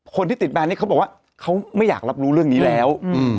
คนที่ติดแนนนี้เขาบอกว่าเขาไม่อยากรับรู้เรื่องนี้แล้ว